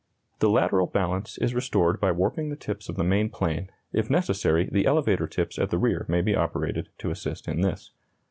The lateral balance is restored by warping the tips of the main plane; if necessary, the elevator tips at the rear may be operated to assist in this.